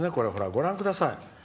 ご覧ください。